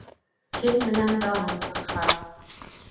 Кем менән даның сыҡһа